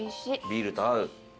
ビールと合う。